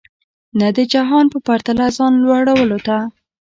نه د جهان په پرتله ځان لوړولو ته.